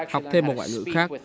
học thêm một ngoại ngữ khác